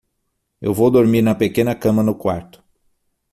Eu vou dormir na pequena cama no quarto.